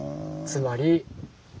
つまり。